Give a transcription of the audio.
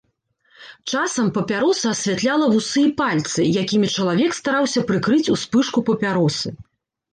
Часам папяроса асвятляла вусы і пальцы, якімі чалавек стараўся прыкрыць успышку папяросы.